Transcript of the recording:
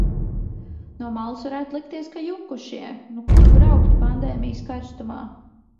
No malas varētu likties, ka jukušie, nu kur braukt pandēmijas karstumā.